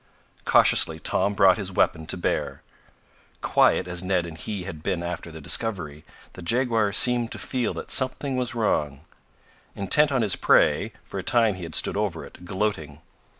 Cautiously Tom brought his weapon to bear. Quiet as Ned and he had been after the discovery, the jaguar seemed to feel that something was wrong. Intent on his prey, for a time he had stood over it, gloating.